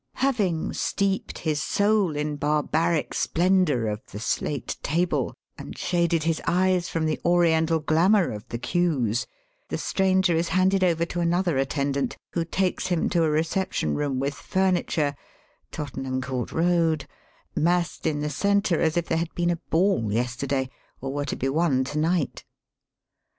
Having steeped his soul in barbaric splendour of the slate table, and shaded his eyes from the oriental glamour of the cues, the stranger is handed over to an other attendant, who takes him to a reception room with furniture (Tottenham Court Eoad) massed in the centre as if there had been a ball yesterday, or were to be one to night.